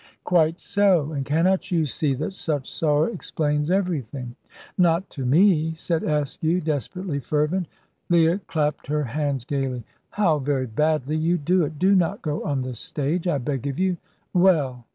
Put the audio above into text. "Quite so, and cannot you see that such sorrow explains everything?" "Not to me," said Askew, desperately fervent. Leah clapped her hands gaily. "How very badly you do it! Do not go on the stage, I beg of you. Well!"